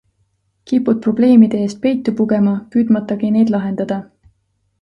Kipud probleemide eest peitu pugema, püüdmatagi neid lahendada.